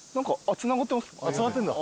つながってんだ。